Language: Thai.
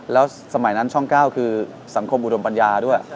แล้วสมัยนั้นช่อง๙คือสังคมอุดมปัญญาด้วย